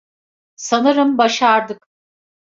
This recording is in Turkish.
Sanırım başardık.